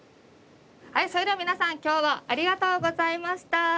はいそれでは皆さん今日はありがとうございました。